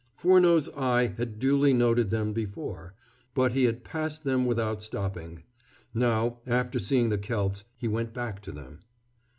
Furneaux's eye had duly noted them before, but he had passed them without stopping. Now, after seeing the celts, he went back to them.